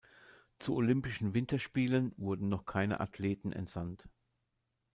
Zu Olympischen Winterspielen wurden noch keine Athleten entsandt.